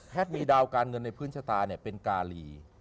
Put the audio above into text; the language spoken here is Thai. มีดาวการเงินในพื้นชะตาเป็นกาลี